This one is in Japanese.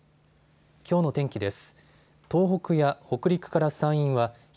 きょうの天気です。